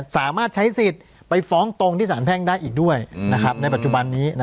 สามารถใช้สิทธิ์ไปฟ้องตรงที่สารแพ่งได้อีกด้วยในปัจจุบันนี้